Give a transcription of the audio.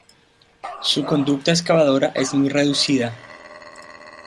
Su conducta excavadora es muy reducida.